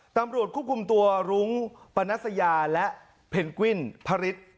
ตำรวจควบคุมตัวรุ้งปนัสยาและเพนกวิ้นพระฤทธิ์